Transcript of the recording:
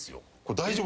大丈夫。